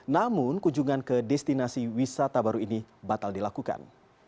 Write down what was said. namun kunjungan ke destinasi wisata baru ini batal dilakukan